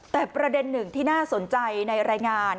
แต่ประเด็นหนึ่งที่น่าสนใจในรายงาน